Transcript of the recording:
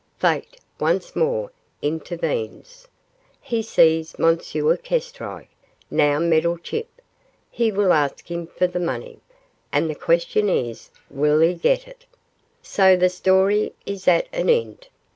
Fate once more intervenes he sees M. Kestrike, now Meddlechip, he will ask him for the money, and the question is, will he get it? So the story is at an end.